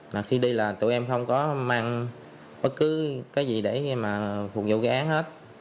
mà khi đi là tụi em không có mang bất cứ cái gì để mà phục vụ gái hết